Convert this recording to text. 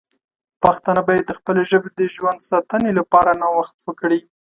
پښتانه باید د خپلې ژبې د ژوند ساتنې لپاره نوښت وکړي.